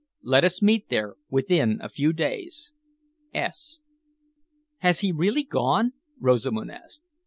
Let us meet there within a few days. "S." "Has he really gone?" Rosamund asked.